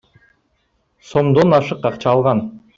сомдон ашык акча алган.